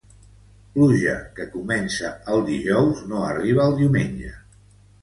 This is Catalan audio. Pluja que comença el dijous no arriba al diumenge.